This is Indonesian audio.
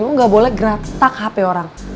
lu gak boleh geratak hape orang